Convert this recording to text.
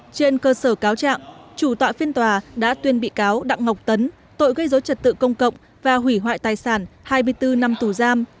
trên cơ sở cáo trạng chủ tọa phiên tòa đã tuyên bị cáo đặng ngọc tấn tội gây dối trật tự công cộng và hủy hoại tài sản hai mươi bốn năm tù giam